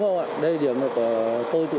không không ạ đây là điểm mà tôi tự dùng ở đây ạ